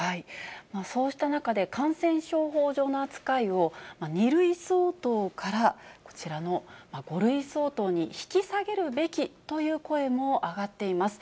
そうした中で感染症法上の扱いを、２類相当からこちらの５類相当に引き下げるべきという声も上がっています。